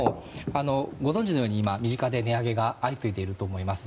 ご存じのように、身近で値上げが相次いでいると思います。